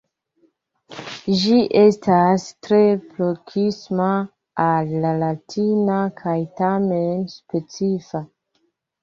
Ĝi estas tre proksima al la latina kaj tamen specifa.